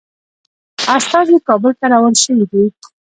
استازي کابل ته روان شوي دي.